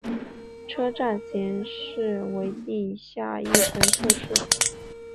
车站型式为地下一层侧式。